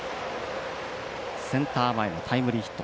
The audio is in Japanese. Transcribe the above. センター前のタイムリーヒット。